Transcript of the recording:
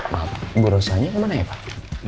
maaf berusaha nya kemana ya pak